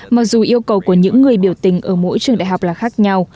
mặc dù yêu cầu của những người biểu tình ở mỗi trường đại học là khác nhau